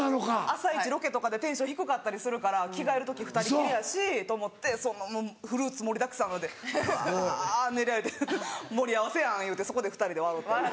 朝イチロケとかでテンション低かったりするから着替える時２人きりやしと思ってフルーツ盛りだくさんのでぐわ練り歩いて盛り合わせやん言うてそこで２人で笑うて。